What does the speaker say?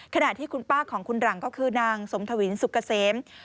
ขณะที่คุณป้าของคุณหลังก็คือนางสมทวินสุกเกษม